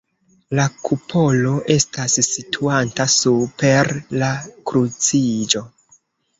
La kupolo estas situanta super la kruciĝo.